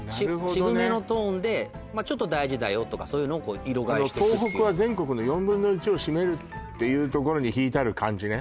渋めのトーンでまあちょっと大事だよとかそういうのを色替えしていく「東北は全国の４分の１を占める」ってところに引いてある感じね